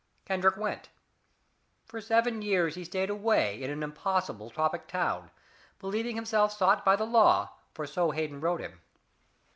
"Kendrick went. For seven years he stayed away, in an impossible tropic town, believing himself sought by the law, for so Hayden wrote him.